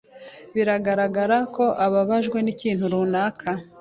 Biragaragara ko ubabajwe n'ikintu runaka.